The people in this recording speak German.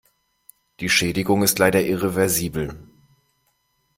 Die Schädigung ist leider irreversibel.